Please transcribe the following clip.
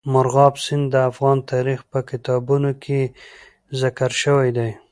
مورغاب سیند د افغان تاریخ په کتابونو کې ذکر شوی دی.